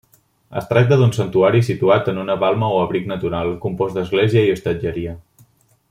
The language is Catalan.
Es tracta d'un santuari situat en una balma o abric natural, compost d'església i hostatgeria.